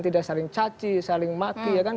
tidak saling caci saling mati ya kan